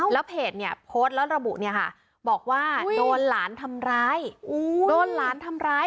แล้วเพจโพสต์แล้วระบุบอกว่าโดนหลานทำร้าย